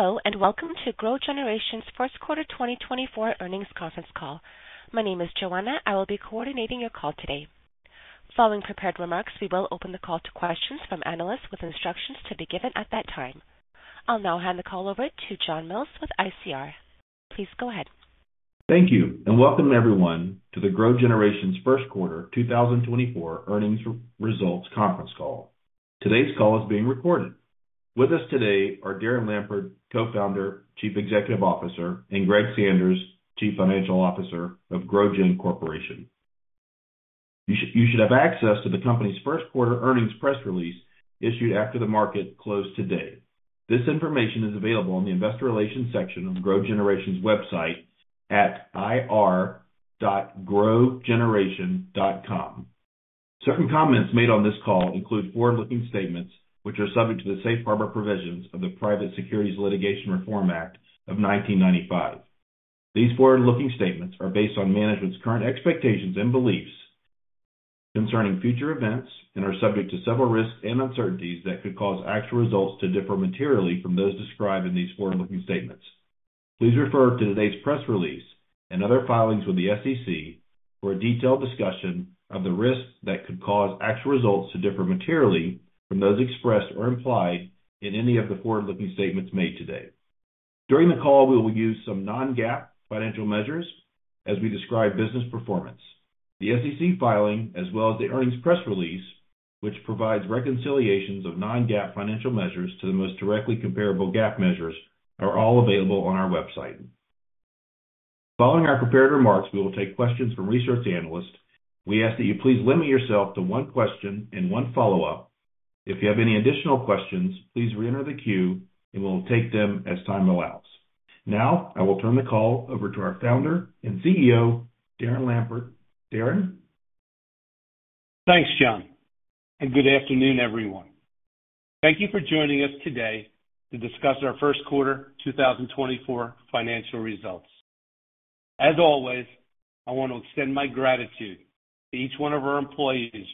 Hello and welcome to GrowGeneration's first quarter 2024 earnings conference call. My name is Joanna. I will be coordinating your call today. Following prepared remarks, we will open the call to questions from analysts with instructions to be given at that time. I'll now hand the call over to John Mills with ICR. Please go ahead. Thank you and welcome everyone to the GrowGeneration's first quarter 2024 earnings results conference call. Today's call is being recorded. With us today are Darren Lampert, Co-Founder, Chief Executive Officer, and Greg Sanders, Chief Financial Officer of GrowGen Corporation. You should have access to the company's first quarter earnings press release issued after the market closed today. This information is available in the investor relations section of GrowGeneration's website at ir.growgeneration.com. Certain comments made on this call include forward-looking statements which are subject to the Safe Harbor provisions of the Private Securities Litigation Reform Act of 1995. These forward-looking statements are based on management's current expectations and beliefs concerning future events and are subject to several risks and uncertainties that could cause actual results to differ materially from those described in these forward-looking statements. Please refer to today's press release and other filings with the SEC for a detailed discussion of the risks that could cause actual results to differ materially from those expressed or implied in any of the forward-looking statements made today. During the call, we will use some Non-GAAP financial measures as we describe business performance. The SEC filing as well as the earnings press release, which provides reconciliations of Non-GAAP financial measures to the most directly comparable GAAP measures, are all available on our website. Following our prepared remarks, we will take questions from research analysts. We ask that you please limit yourself to one question and one follow-up. If you have any additional questions, please reenter the queue and we'll take them as time allows. Now I will turn the call over to our founder and CEO, Darren Lampert. Darren. Thanks, John, and good afternoon, everyone. Thank you for joining us today to discuss our first quarter 2024 financial results. As always, I want to extend my gratitude to each one of our employees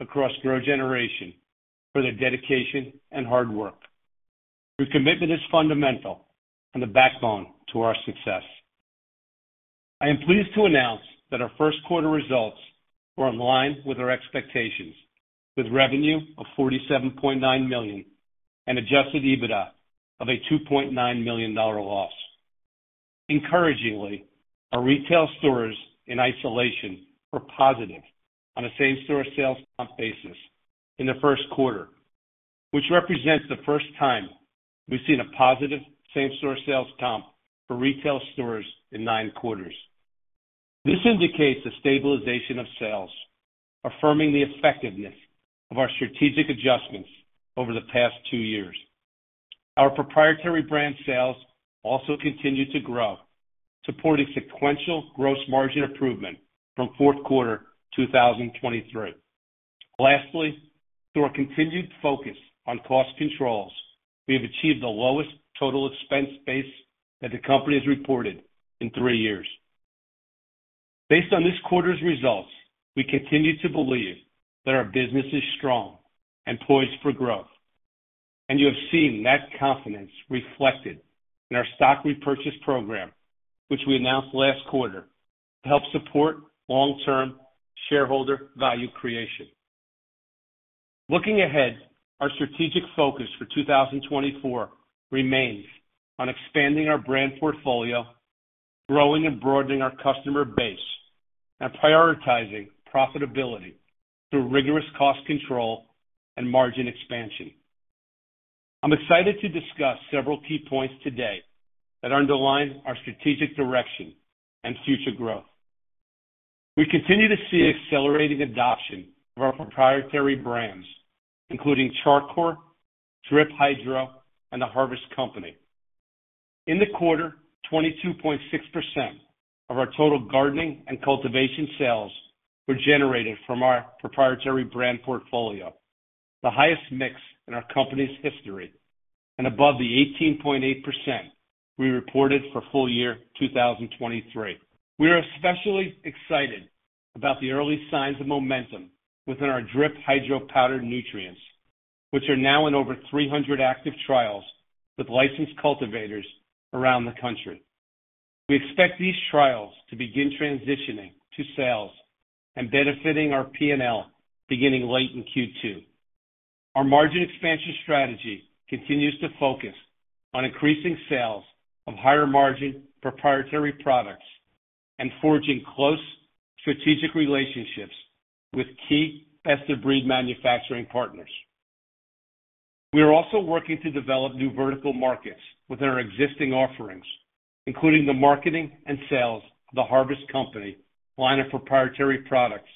across GrowGeneration for their dedication and hard work. Your commitment is fundamental and the backbone to our success. I am pleased to announce that our first quarter results were in line with our expectations, with revenue of $47.9 million and adjusted EBITDA of a $2.9 million loss. Encouragingly, our retail stores in isolation were positive on a same-store sales comp basis in the first quarter, which represents the first time we've seen a positive same-store sales comp for retail stores in nine quarters. This indicates a stabilization of sales, affirming the effectiveness of our strategic adjustments over the past two years. Our proprietary brand sales also continue to grow, supporting sequential gross margin improvement from fourth quarter 2023. Lastly, through our continued focus on cost controls, we have achieved the lowest total expense base that the company has reported in three years. Based on this quarter's results, we continue to believe that our business is strong and poised for growth, and you have seen that confidence reflected in our stock repurchase program, which we announced last quarter to help support long-term shareholder value creation. Looking ahead, our strategic focus for 2024 remains on expanding our brand portfolio, growing and broadening our customer base, and prioritizing profitability through rigorous cost control and margin expansion. I'm excited to discuss several key points today that underline our strategic direction and future growth. We continue to see accelerating adoption of our proprietary brands, including Char Coir, Drip Hydro, and The Harvest Company. In the quarter, 22.6% of our total gardening and cultivation sales were generated from our proprietary brand portfolio, the highest mix in our company's history, and above the 18.8% we reported for full year 2023. We are especially excited about the early signs of momentum within our Drip Hydro powdered nutrients, which are now in over 300 active trials with licensed cultivators around the country. We expect these trials to begin transitioning to sales and benefiting our P&L beginning late in Q2. Our margin expansion strategy continues to focus on increasing sales of higher-margin proprietary products and forging close strategic relationships with key best-of-breed manufacturing partners. We are also working to develop new vertical markets within our existing offerings, including the marketing and sales of The Harvest Company line of proprietary products,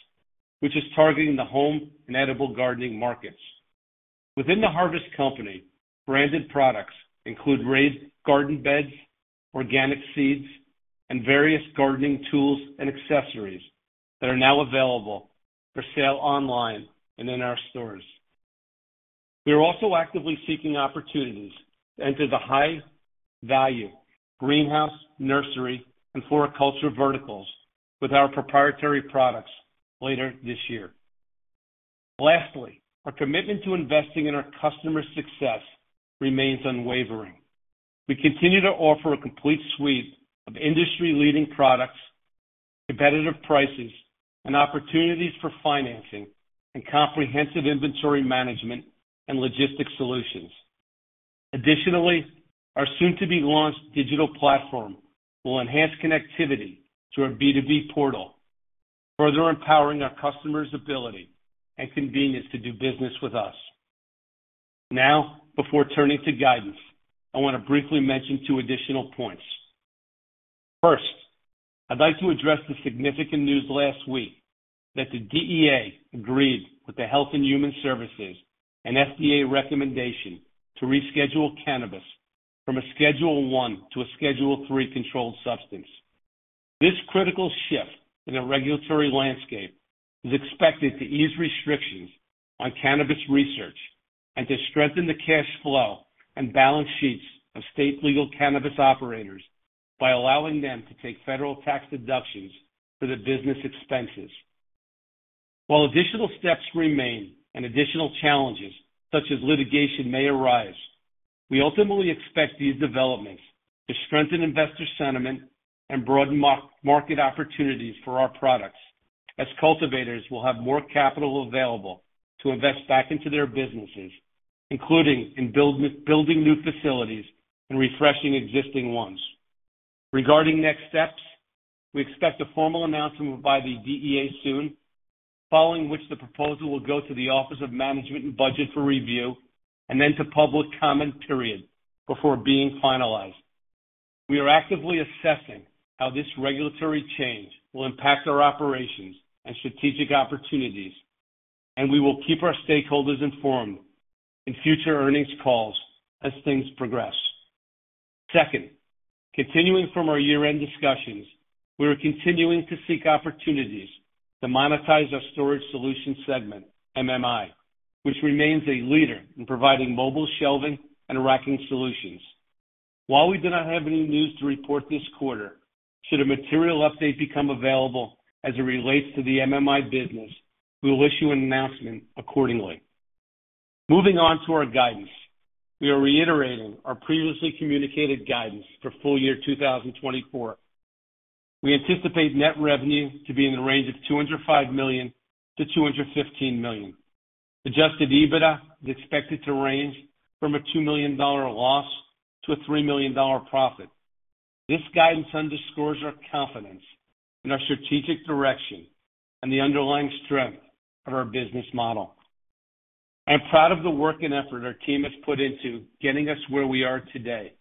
which is targeting the home and edible gardening markets. Within The Harvest Company, branded products include raised garden beds, organic seeds, and various gardening tools and accessories that are now available for sale online and in our stores. We are also actively seeking opportunities to enter the high-value greenhouse nursery and floriculture verticals with our proprietary products later this year. Lastly, our commitment to investing in our customer success remains unwavering. We continue to offer a complete suite of industry-leading products, competitive prices, and opportunities for financing and comprehensive inventory management and logistics solutions. Additionally, our soon-to-be-launched digital platform will enhance connectivity to our B2B portal, further empowering our customers' ability and convenience to do business with us. Now, before turning to guidance, I want to briefly mention two additional points. First, I'd like to address the significant news last week that the DEA agreed with the Health and Human Services and FDA recommendation to reschedule cannabis from a Schedule I-Schedule III controlled substance. This critical shift in the regulatory landscape is expected to ease restrictions on cannabis research and to strengthen the cash flow and balance sheets of state-legal cannabis operators by allowing them to take federal tax deductions for the business expenses. While additional steps remain and additional challenges such as litigation may arise, we ultimately expect these developments to strengthen investor sentiment and broaden market opportunities for our products as cultivators will have more capital available to invest back into their businesses, including in building new facilities and refreshing existing ones. Regarding next steps, we expect a formal announcement by the DEA soon, following which the proposal will go to the Office of Management and Budget for review and then to public comment period before being finalized. We are actively assessing how this regulatory change will impact our operations and strategic opportunities, and we will keep our stakeholders informed in future earnings calls as things progress. Second, continuing from our year-end discussions, we are continuing to seek opportunities to monetize our storage solution segment, MMI, which remains a leader in providing mobile shelving and racking solutions. While we do not have any news to report this quarter, should a material update become available as it relates to the MMI business, we will issue an announcement accordingly. Moving on to our guidance, we are reiterating our previously communicated guidance for full year 2024. We anticipate net revenue to be in the range of $205 million-$215 million. Adjusted EBITDA is expected to range from a $2 million loss-$3 million profit. This guidance underscores our confidence in our strategic direction and the underlying strength of our business model. I am proud of the work and effort our team has put into getting us where we are today.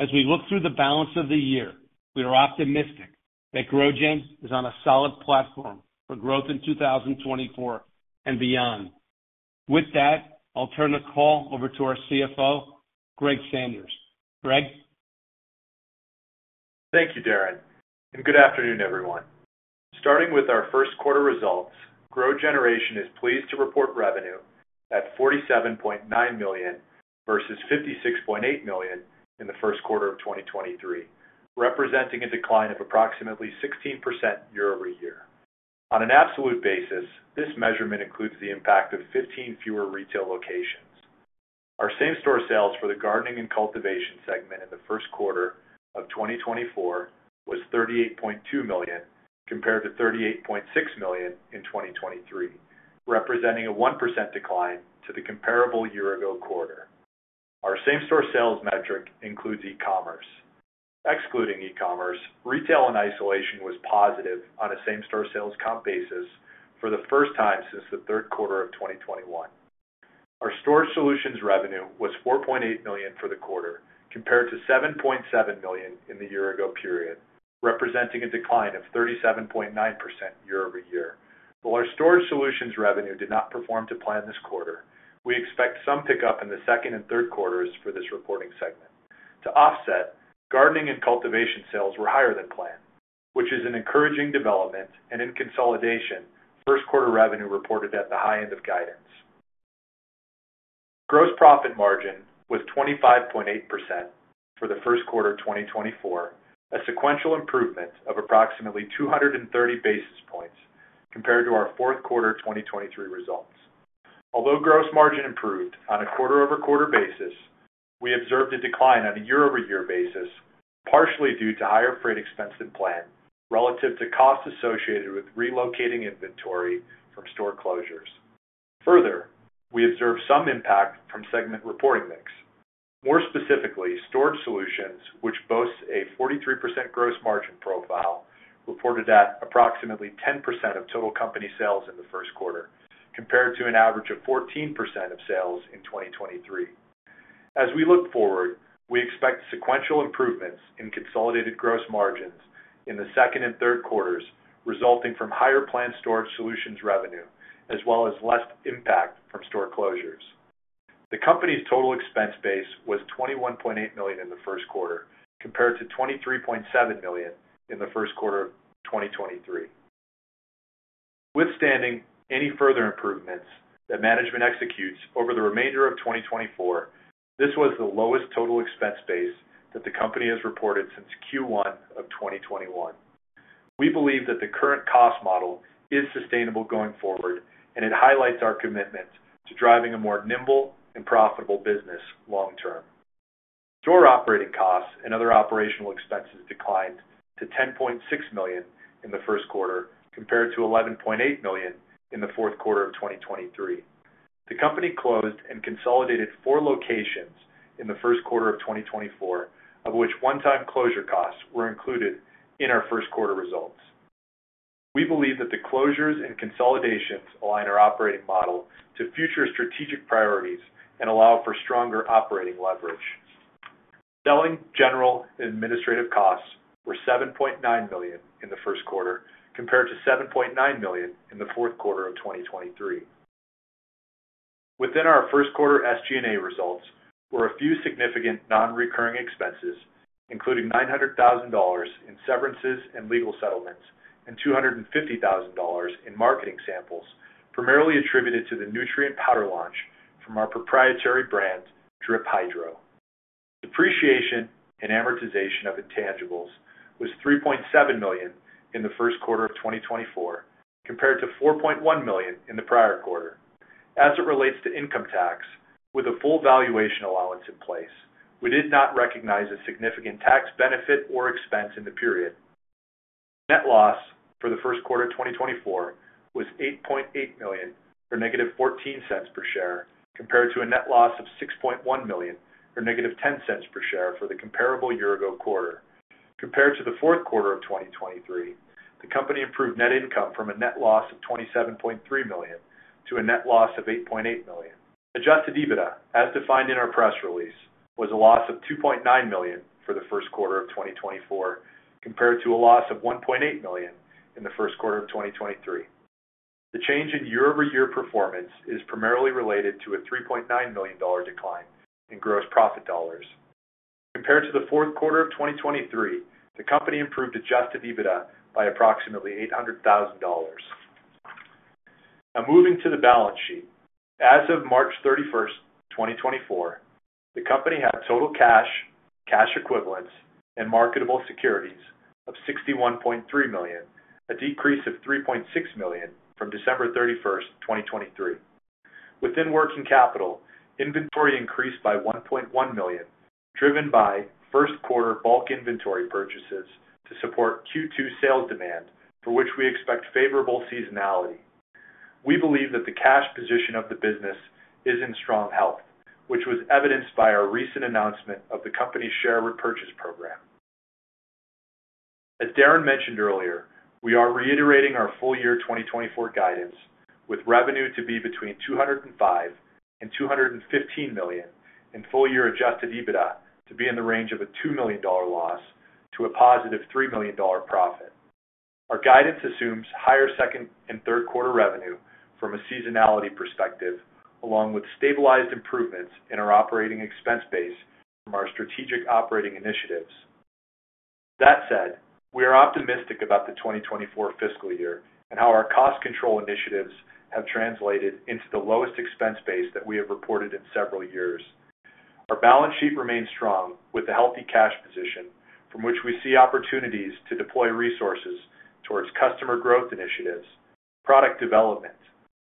As we look through the balance of the year, we are optimistic that GrowGen is on a solid platform for growth in 2024 and beyond. With that, I'll turn the call over to our CFO, Greg Sanders. Greg? Thank you, Darren, and good afternoon, everyone. Starting with our first quarter results, GrowGeneration is pleased to report revenue at $47.9 million versus $56.8 million in the first quarter of 2023, representing a decline of approximately 16% year-over-year. On an absolute basis, this measurement includes the impact of 15 fewer retail locations. Our same-store sales for the gardening and cultivation segment in the first quarter of 2024 was $38.2 million compared to $38.6 million in 2023, representing a 1% decline to the comparable year-ago quarter. Our same-store sales metric includes e-commerce. Excluding e-commerce, retail in isolation was positive on a same-store sales comp basis for the first time since the third quarter of 2021. Our storage solutions revenue was $4.8 million for the quarter compared to $7.7 million in the year-ago period, representing a decline of 37.9% year-over-year. While our storage solutions revenue did not perform to plan this quarter, we expect some pickup in the second and third quarters for this reporting segment. To offset, gardening and cultivation sales were higher than planned, which is an encouraging development and in consolidation first quarter revenue reported at the high end of guidance. Gross profit margin was 25.8% for the first quarter 2024, a sequential improvement of approximately 230 basis points compared to our fourth quarter 2023 results. Although gross margin improved on a quarter-over-quarter basis, we observed a decline on a year-over-year basis partially due to higher freight expense than planned relative to costs associated with relocating inventory from store closures. Further, we observed some impact from segment reporting mix. More specifically, storage solutions, which boasts a 43% gross margin profile, reported at approximately 10% of total company sales in the first quarter compared to an average of 14% of sales in 2023. As we look forward, we expect sequential improvements in consolidated gross margins in the second and third quarters resulting from higher planned storage solutions revenue as well as less impact from store closures. The company's total expense base was $21.8 million in the first quarter compared to $23.7 million in the first quarter of 2023. Notwithstanding any further improvements that management executes over the remainder of 2024, this was the lowest total expense base that the company has reported since Q1 of 2021. We believe that the current cost model is sustainable going forward, and it highlights our commitment to driving a more nimble and profitable business long term. Store operating costs and other operational expenses declined to $10.6 million in the first quarter compared to $11.8 million in the fourth quarter of 2023. The company closed and consolidated four locations in the first quarter of 2024, of which one-time closure costs were included in our first quarter results. We believe that the closures and consolidations align our operating model to future strategic priorities and allow for stronger operating leverage. Selling general and administrative costs were $7.9 million in the first quarter compared to $7.9 million in the fourth quarter of 2023. Within our first quarter SG&A results were a few significant non-recurring expenses, including $900,000 in severances and legal settlements and $250,000 in marketing samples, primarily attributed to the nutrient powder launch from our proprietary brand Drip Hydro. Depreciation and amortization of intangibles was $3.7 million in the first quarter of 2024 compared to $4.1 million in the prior quarter. As it relates to income tax, with a full valuation allowance in place, we did not recognize a significant tax benefit or expense in the period. Net loss for the first quarter 2024 was $8.8 million or -$0.14 per share compared to a net loss of $6.1 million or -$0.10 per share for the comparable year-ago quarter. Compared to the fourth quarter of 2023, the company improved net income from a net loss of $27.3 million to a net loss of $8.8 million. Adjusted EBITDA, as defined in our press release, was a loss of $2.9 million for the first quarter of 2024 compared to a loss of $1.8 million in the first quarter of 2023. The change in year-over-year performance is primarily related to a $3.9 million decline in gross profit dollars. Compared to the fourth quarter of 2023, the company improved Adjusted EBITDA by approximately $800,000. Now, moving to the balance sheet. As of March 31st, 2024, the company had total cash, cash equivalents, and marketable securities of $61.3 million, a decrease of $3.6 million from December 31st, 2023. Within working capital, inventory increased by $1.1 million driven by first quarter bulk inventory purchases to support Q2 sales demand, for which we expect favorable seasonality. We believe that the cash position of the business is in strong health, which was evidenced by our recent announcement of the company's share repurchase program. As Darren mentioned earlier, we are reiterating our full year 2024 guidance with revenue to be between $205 million-$215 million and full year Adjusted EBITDA to be in the range of a $2 million loss to a positive $3 million profit. Our guidance assumes higher second and third quarter revenue from a seasonality perspective, along with stabilized improvements in our operating expense base from our strategic operating initiatives. That said, we are optimistic about the 2024 fiscal year and how our cost control initiatives have translated into the lowest expense base that we have reported in several years. Our balance sheet remains strong with a healthy cash position from which we see opportunities to deploy resources towards customer growth initiatives, product development,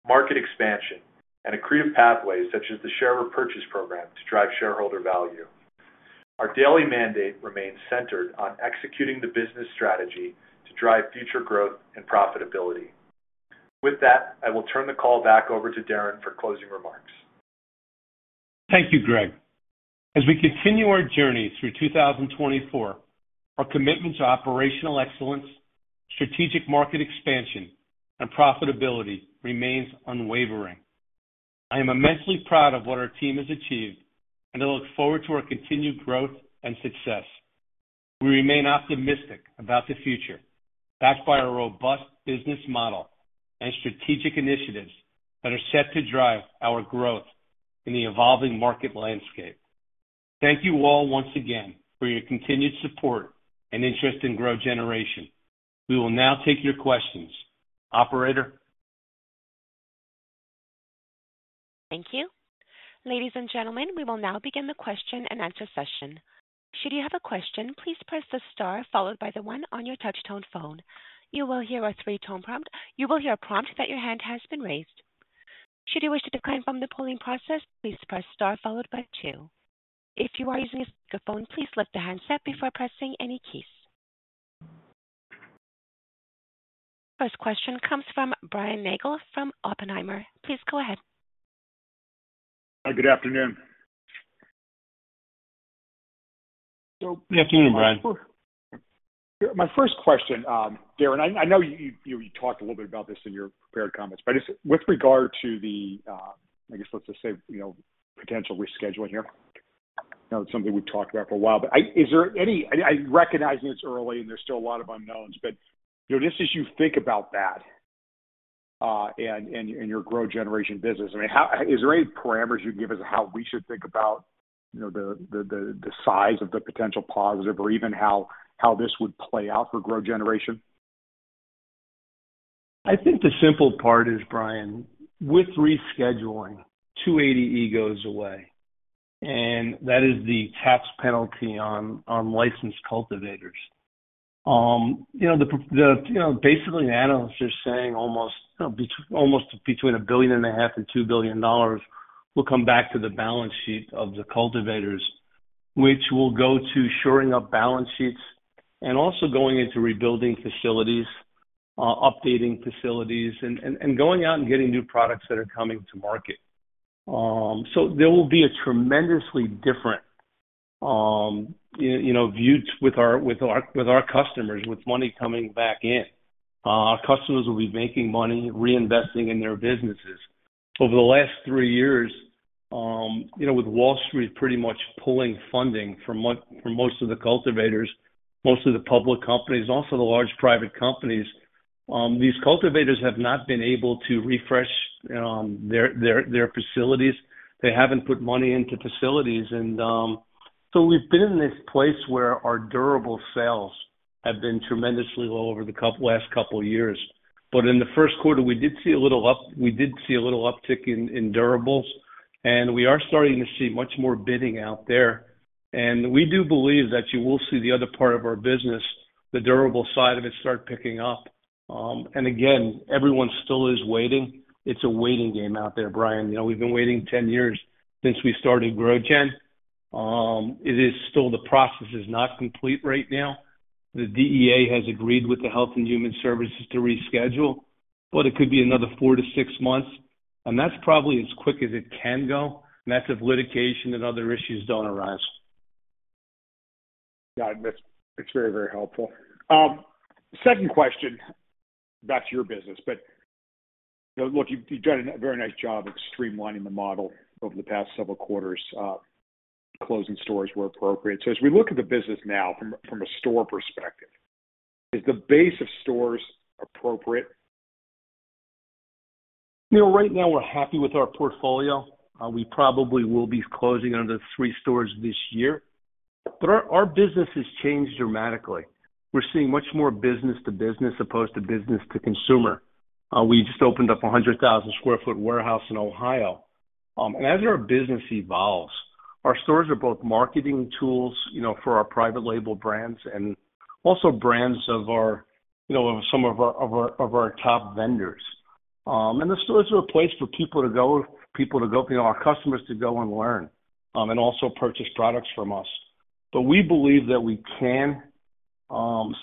market expansion, and accretive pathways such as the share repurchase program to drive shareholder value. Our daily mandate remains centered on executing the business strategy to drive future growth and profitability. With that, I will turn the call back over to Darren for closing remarks. Thank you, Greg. As we continue our journey through 2024, our commitment to operational excellence, strategic market expansion, and profitability remains unwavering. I am immensely proud of what our team has achieved, and I look forward to our continued growth and success. We remain optimistic about the future backed by our robust business model and strategic initiatives that are set to drive our growth in the evolving market landscape. Thank you all once again for your continued support and interest in GrowGeneration. We will now take your questions. Operator? Thank you. Ladies and gentlemen, we will now begin the question and answer session. Should you have a question, please press the star followed by the one on your touchtone phone. You will hear a three-tone prompt. You will hear a prompt that your hand has been raised. Should you wish to decline from the polling process, please press star followed by two. If you are using a speakerphone, please lift the handset before pressing any keys. First question comes from Brian Nagel from Oppenheimer. Please go ahead. Good afternoon. Good afternoon, Brian. My first question, Darren, I know you talked a little bit about this in your prepared comments, but with regard to the, I guess, let's just say potential rescheduling here. It's something we've talked about for a while, but is there any, I recognize it's early and there's still a lot of unknowns, but just as you think about that and your GrowGeneration business, I mean, is there any parameters you'd give us on how we should think about the size of the potential positive or even how this would play out for GrowGeneration? I think the simple part is, Brian, with rescheduling, 280E goes away, and that is the tax penalty on licensed cultivators. Basically, the analysts are saying almost between $1.5 billion and $2 billion will come back to the balance sheet of the cultivators, which will go to shoring up balance sheets and also going into rebuilding facilities, updating facilities, and going out and getting new products that are coming to market. So there will be a tremendously different view with our customers, with money coming back in. Our customers will be making money, reinvesting in their businesses. Over the last three years, with Wall Street pretty much pulling funding from most of the cultivators, most of the public companies, and also the large private companies, these cultivators have not been able to refresh their facilities. They haven't put money into facilities. And so we've been in this place where our durable sales have been tremendously low over the last couple of years. But in the first quarter, we did see a little uptick in durables, and we are starting to see much more bidding out there. And we do believe that you will see the other part of our business, the durable side of it, start picking up. And again, everyone still is waiting. It's a waiting game out there, Brian. We've been waiting 10 years since we started GrowGen. It is still the process is not complete right now. The DEA has agreed with the Health and Human Services to reschedule, but it could be another four to six months. And that's probably as quick as it can go unless litigation and other issues don't arise. Got it. That's very, very helpful. Second question, back to your business, but look, you've done a very nice job of streamlining the model over the past several quarters, closing stores where appropriate. So as we look at the business now from a store perspective, is the base of stores appropriate? Right now, we're happy with our portfolio. We probably will be closing another three stores this year. But our business has changed dramatically. We're seeing much more business to business opposed to business to consumer. We just opened up a 100,000 sq ft warehouse in Ohio. As our business evolves, our stores are both marketing tools for our private label brands and also brands of some of our top vendors. And the stores are a place for people to go, our customers to go and learn and also purchase products from us. But we believe that we can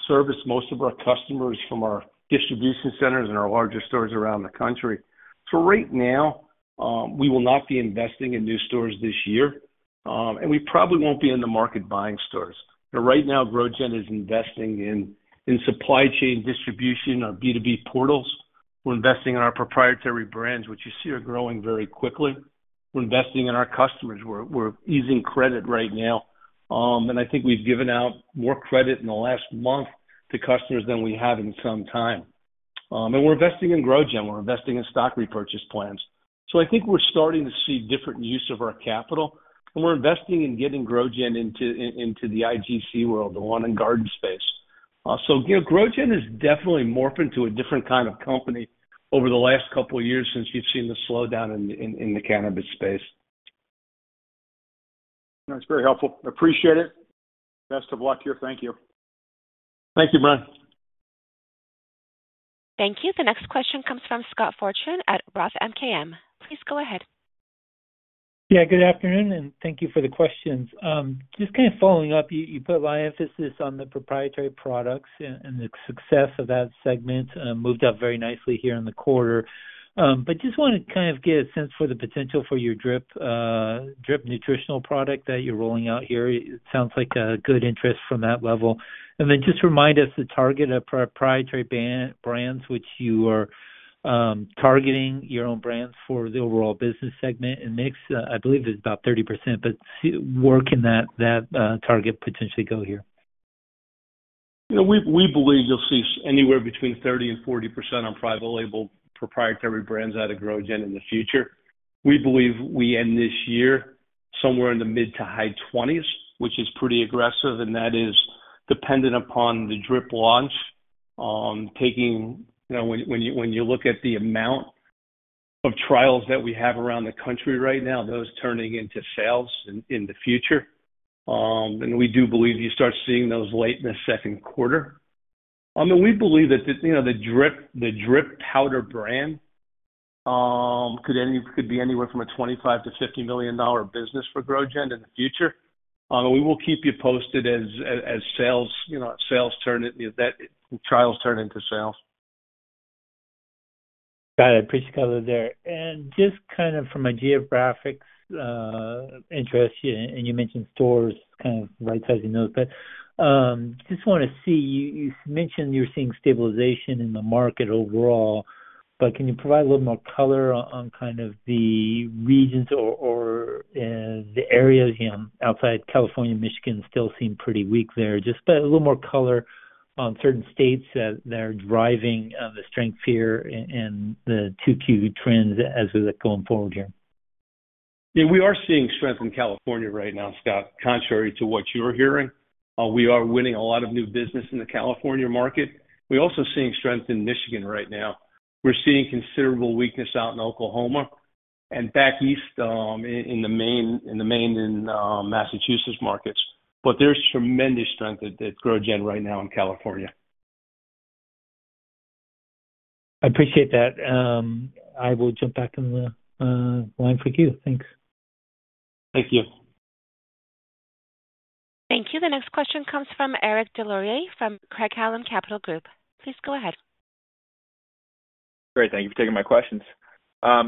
service most of our customers from our distribution centers and our larger stores around the country. So right now, we will not be investing in new stores this year, and we probably won't be in the market buying stores. Right now, GrowGen is investing in supply chain distribution, our B2B portals. We're investing in our proprietary brands, which you see are growing very quickly. We're investing in our customers. We're easing credit right now. And I think we've given out more credit in the last month to customers than we have in some time. And we're investing in GrowGen. We're investing in stock repurchase plans. So I think we're starting to see different use of our capital, and we're investing in getting GrowGen into the IGC world, the Lawn and Garden space. So GrowGen has definitely morphed into a different kind of company over the last couple of years since you've seen the slowdown in the cannabis space. That's very helpful. Appreciate it. Best of luck here. Thank you. Thank you, Brian. Thank you. The next question comes from Scott Fortune at Roth MKM. Please go ahead. Yeah. Good afternoon, and thank you for the questions. Just kind of following up, you put a lot of emphasis on the proprietary products and the success of that segment moved up very nicely here in the quarter. But just want to kind of get a sense for the potential for your Drip nutritional product that you're rolling out here. It sounds like a good interest from that level. And then just remind us the target of proprietary brands, which you are targeting your own brands for the overall business segment and mix, I believe it's about 30%, but where can that target potentially go here? We believe you'll see anywhere between 30%-40% on private label proprietary brands out of GrowGen in the future. We believe we end this year somewhere in the mid- to high 20s, which is pretty aggressive, and that is dependent upon the drip launch. When you look at the amount of trials that we have around the country right now, those turning into sales in the future. And we do believe you start seeing those late in the second quarter. And we believe that the drip powder brand could be anywhere from a $25 million-$50 million business for GrowGen in the future. And we will keep you posted as sales turn that trials turn into sales. Got it. Appreciate the color there. And just kind of from a geographic interest, and you mentioned stores, kind of right-sizing those, but just want to see you mentioned you're seeing stabilization in the market overall, but can you provide a little more color on kind of the regions or the areas outside California, Michigan still seem pretty weak there, just a little more color on certain states that are driving the strength here and the 2Q trends as we look going forward here? Yeah. We are seeing strength in California right now, Scott, contrary to what you're hearing. We are winning a lot of new business in the California market. We're also seeing strength in Michigan right now. We're seeing considerable weakness out in Oklahoma and back east in Maine and Massachusetts markets. But there's tremendous strength at GrowGen right now in California. I appreciate that. I will jump back on the line for you. Thanks. Thank you. Thank you. The next question comes from Eric Des Lauriers from Craig-Hallum Capital Group. Please go ahead. Great. Thank you for taking my questions.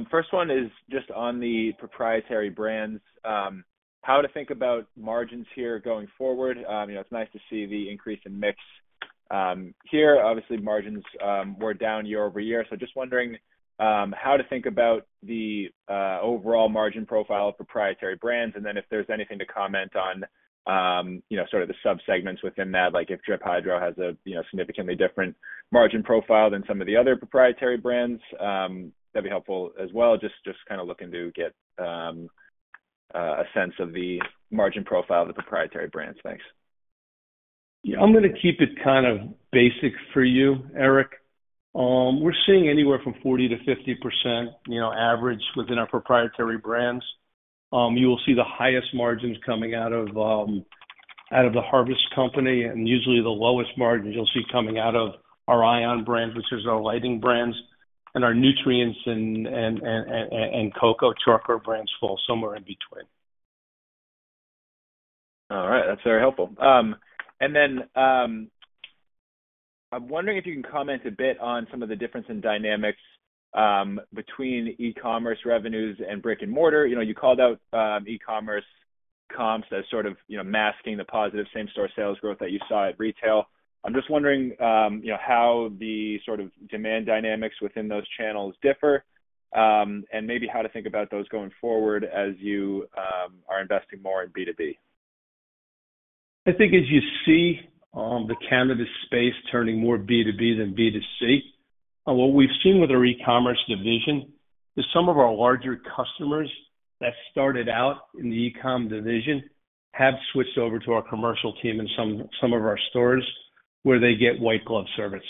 First one is just on the proprietary brands, how to think about margins here going forward. It's nice to see the increase in mix here. Obviously, margins were down year-over-year. So just wondering how to think about the overall margin profile of proprietary brands, and then if there's anything to comment on sort of the subsegments within that, like if Drip Hydro has a significantly different margin profile than some of the other proprietary brands. That'd be helpful as well, just kind of looking to get a sense of the margin profile of the proprietary brands. Thanks. Yeah. I'm going to keep it kind of basic for you, Eric. We're seeing anywhere from 40%-50% average within our proprietary brands. You will see the highest margins coming out of the Harvest Company, and usually the lowest margins you'll see coming out of our ION brands, which are our lighting brands. Our Nutrients and Char Coir brands fall somewhere in between. All right. That's very helpful. And then I'm wondering if you can comment a bit on some of the difference in dynamics between e-commerce revenues and brick and mortar. You called out e-commerce comps as sort of masking the positive same-store sales growth that you saw at retail. I'm just wondering how the sort of demand dynamics within those channels differ and maybe how to think about those going forward as you are investing more in B2B. I think as you see the cannabis space turning more B2B than B2C, what we've seen with our e-commerce division is some of our larger customers that started out in the e-com division have switched over to our commercial team in some of our stores where they get white-glove service,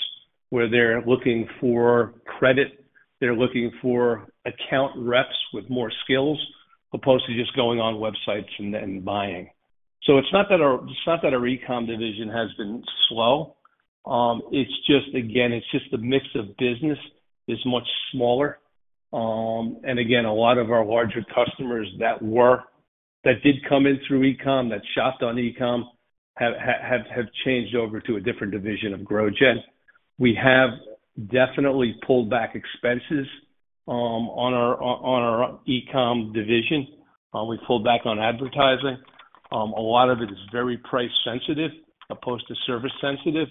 where they're looking for credit, they're looking for account reps with more skills opposed to just going on websites and buying. So it's not that our e-com division has been slow. Again, it's just the mix of business is much smaller. And again, a lot of our larger customers that did come in through e-com, that shopped on e-com, have changed over to a different division of GrowGen. We have definitely pulled back expenses on our e-com division. We pulled back on advertising. A lot of it is very price-sensitive opposed to service-sensitive.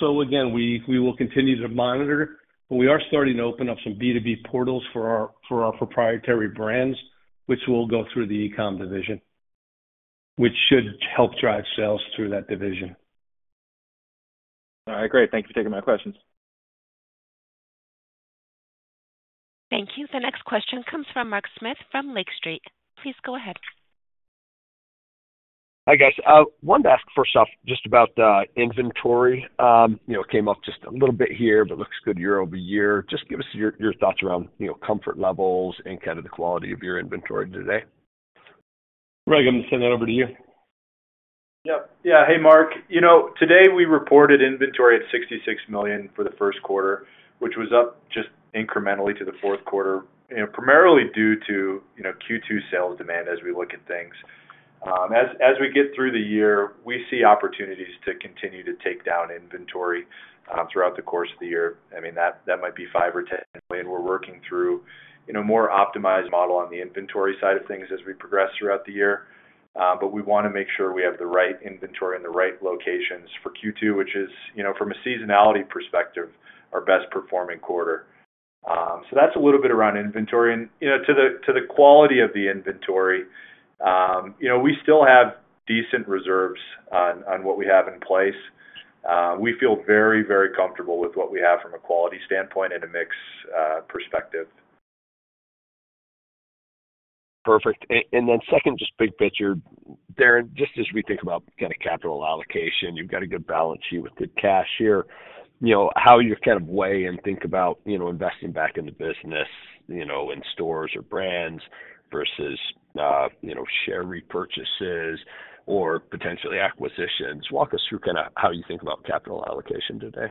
So again, we will continue to monitor. We are starting to open up some B2B portals for our proprietary brands, which will go through the e-com division, which should help drive sales through that division. All right. Great. Thank you for taking my questions. Thank you. The next question comes from Mark Smith from Lake Street. Please go ahead. Hi, guys. I wanted to ask first off just about inventory. It came up just a little bit here, but looks good year-over-year. Just give us your thoughts around comfort levels and kind of the quality of your inventory today? Greg, I'm going to send that over to you. Yep. Yeah. Hey, Mark. Today, we reported inventory at $66 million for the first quarter, which was up just incrementally to the fourth quarter, primarily due to Q2 sales demand as we look at things. As we get through the year, we see opportunities to continue to take down inventory throughout the course of the year. I mean, that might be $5-$10 million. We're working through a more optimized model on the inventory side of things as we progress throughout the year. But we want to make sure we have the right inventory in the right locations for Q2, which is, from a seasonality perspective, our best-performing quarter. So that's a little bit around inventory. And to the quality of the inventory, we still have decent reserves on what we have in place. We feel very, very comfortable with what we have from a quality standpoint and a mix perspective. Perfect. And then second, just big picture, Darren, just as we think about kind of capital allocation, you've got a good balance sheet with good cash here, how you kind of weigh and think about investing back into business in stores or brands versus share repurchases or potentially acquisitions? Walk us through kind of how you think about capital allocation today.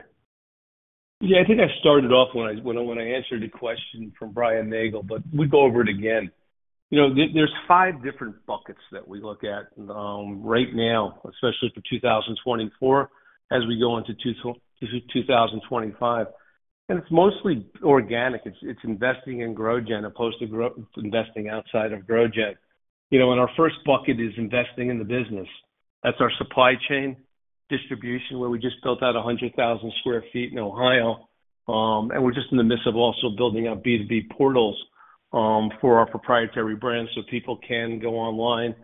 Yeah. I think I started off when I answered the question from Brian Nagel, but we'd go over it again. There's five different buckets that we look at right now, especially for 2024 as we go into 2025. And it's mostly organic. It's investing in GrowGen opposed to investing outside of GrowGen. And our first bucket is investing in the business. That's our supply chain distribution where we just built out 100,000 sq ft in Ohio. And we're just in the midst of also building out B2B portals for our proprietary brands so people can go online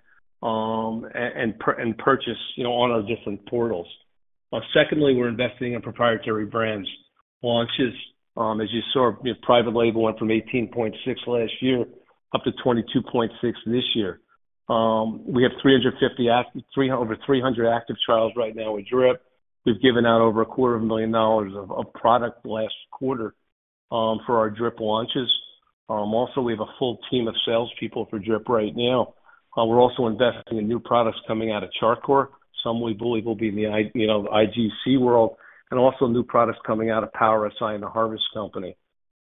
and purchase on our different portals. Secondly, we're investing in proprietary brands launches, as you saw, private label went from 18.6 last year up to 22.6 this year. We have over 300 active trials right now with Drip. We've given out over $250,000 of product last quarter for our Drip launches. Also, we have a full team of salespeople for Drip right now. We're also investing in new products coming out of Char Coir, some we believe will be in the IGC world, and also new products coming out of Power SI and the Harvest Company.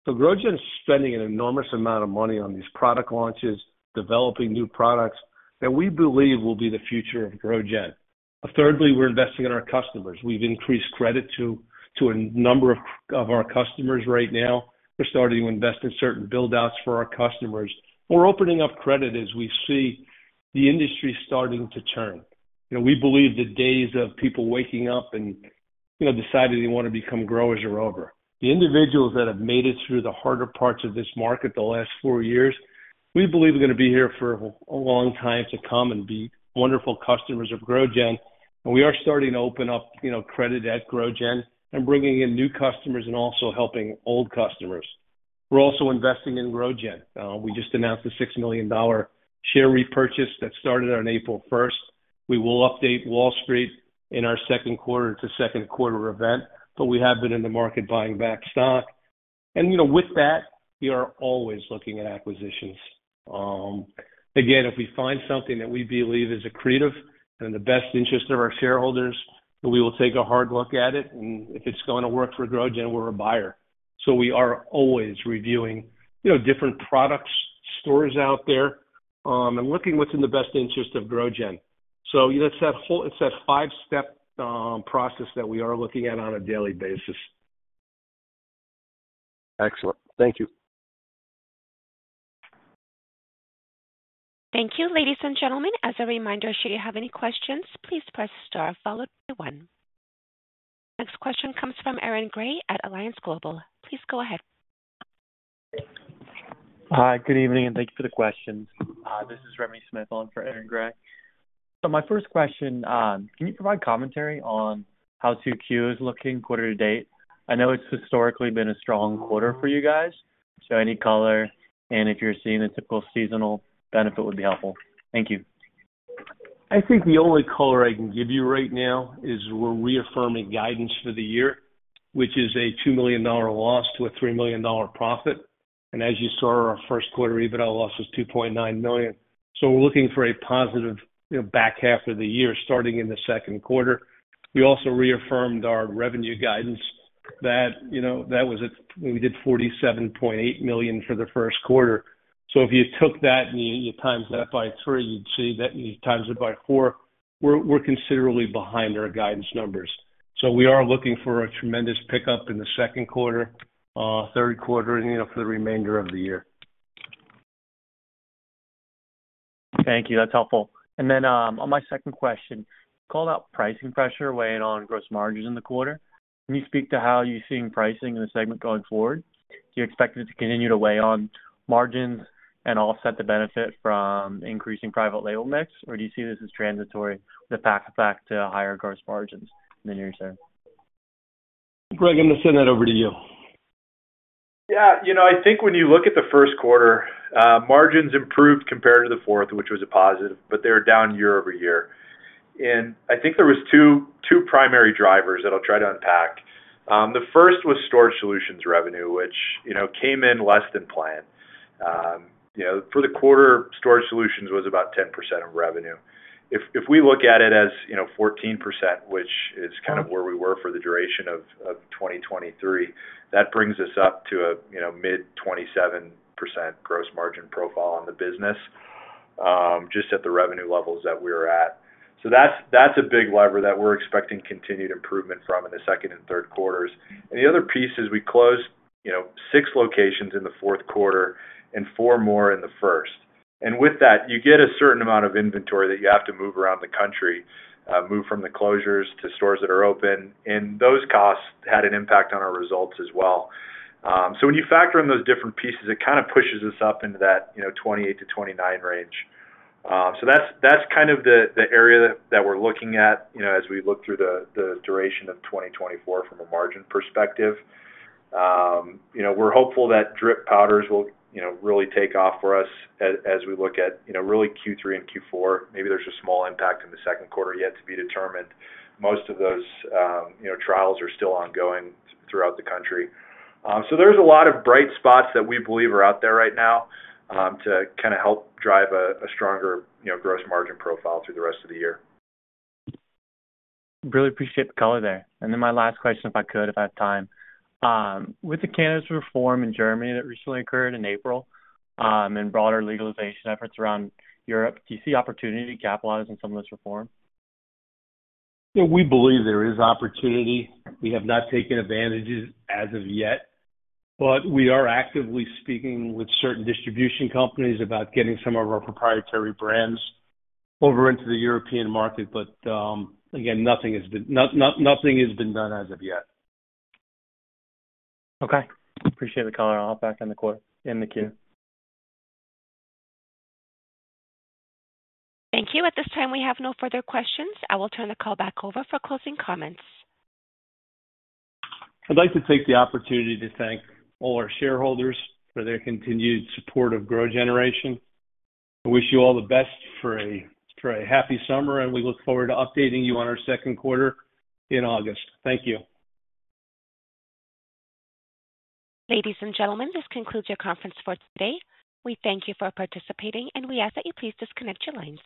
So GrowGen is spending an enormous amount of money on these product launches, developing new products that we believe will be the future of GrowGen. Thirdly, we're investing in our customers. We've increased credit to a number of our customers right now. We're starting to invest in certain build-outs for our customers. We're opening up credit as we see the industry starting to turn. We believe the days of people waking up and deciding they want to become growers are over. The individuals that have made it through the harder parts of this market the last four years, we believe are going to be here for a long time to come and be wonderful customers of GrowGen. We are starting to open up credit at GrowGen and bringing in new customers and also helping old customers. We're also investing in GrowGen. We just announced a $6 million share repurchase that started on April 1st. We will update Wall Street in our second quarter to second quarter event, but we have been in the market buying back stock. With that, we are always looking at acquisitions. Again, if we find something that we believe is a creative and in the best interest of our shareholders, we will take a hard look at it. If it's going to work for GrowGen, we're a buyer. We are always reviewing different products, stores out there, and looking what's in the best interest of GrowGen. It's that five-step process that we are looking at on a daily basis. Excellent. Thank you. Thank you, ladies and gentlemen. As a reminder, should you have any questions, please press star followed by one. Next question comes from Aaron Grey at Alliance Global. Please go ahead. Hi. Good evening, and thank you for the questions. This is Remington Smith. I'm for Aaron Grey. So my first question, can you provide commentary on how 2Q is looking quarter to date? I know it's historically been a strong quarter for you guys, so any color and if you're seeing a typical seasonal benefit would be helpful. Thank you. I think the only color I can give you right now is we're reaffirming guidance for the year, which is a $2 million loss to a $3 million profit. As you saw, our first quarter EBITDA loss was $2.9 million. So we're looking for a positive back half of the year starting in the second quarter. We also reaffirmed our revenue guidance. That was it. We did $47.8 million for the first quarter. So if you took that and you times that by 3, you'd see that and you times it by 4, we're considerably behind our guidance numbers. So we are looking for a tremendous pickup in the second quarter, third quarter, and for the remainder of the year. Thank you. That's helpful. And then on my second question, you called out pricing pressure weighing on gross margins in the quarter. Can you speak to how you're seeing pricing in the segment going forward? Do you expect it to continue to weigh on margins and offset the benefit from increasing private label mix, or do you see this as transitory with a path back to higher gross margins in the near term? Greg, I'm going to send that over to you. Yeah. I think when you look at the first quarter, margins improved compared to the fourth, which was a positive, but they were down year-over-year. And I think there were two primary drivers that I'll try to unpack. The first was storage solutions revenue, which came in less than planned. For the quarter, storage solutions was about 10% of revenue. If we look at it as 14%, which is kind of where we were for the duration of 2023, that brings us up to a mid-27% gross margin profile on the business just at the revenue levels that we're at. So that's a big lever that we're expecting continued improvement from in the second and third quarters. And the other piece is we closed six locations in the fourth quarter and four more in the first. And with that, you get a certain amount of inventory that you have to move around the country, move from the closures to stores that are open. And those costs had an impact on our results as well. So when you factor in those different pieces, it kind of pushes us up into that 28%-29% range. So that's kind of the area that we're looking at as we look through the duration of 2024 from a margin perspective. We're hopeful that Drip Powders will really take off for us as we look at really Q3 and Q4. Maybe there's a small impact in the second quarter yet to be determined. Most of those trials are still ongoing throughout the country. There's a lot of bright spots that we believe are out there right now to kind of help drive a stronger gross margin profile through the rest of the year. Really appreciate the color there. And then my last question, if I could, if I have time. With the cannabis reform in Germany that recently occurred in April and broader legalization efforts around Europe, do you see opportunity capitalized on some of this reform? Yeah. We believe there is opportunity. We have not taken advantage of it as of yet. But we are actively speaking with certain distribution companies about getting some of our proprietary brands over into the European market. But again, nothing has been done as of yet. Okay. Appreciate the color. I'll hop back in the queue. Thank you. At this time, we have no further questions. I will turn the call back over for closing comments. I'd like to take the opportunity to thank all our shareholders for their continued support of GrowGeneration. I wish you all the best for a happy summer, and we look forward to updating you on our second quarter in August. Thank you. Ladies and gentlemen, this concludes our conference for today. We thank you for participating, and we ask that you please disconnect your lines.